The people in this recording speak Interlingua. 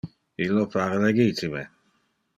Illo pare legitime.